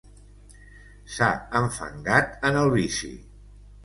S'ha enfangat en el vici.